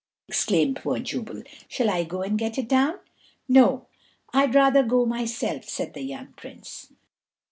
exclaimed poor Jubal; "shall I go and get it down?" "No, I'd rather go myself," said the young Prince.